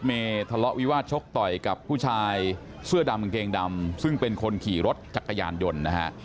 มีผู้ชายเสื้อดำกางเกงดำซึ่งเป็นคนขี่รถจักรยานยนต์